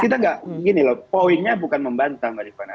kita gak begini loh poinnya bukan membantah mbak ripana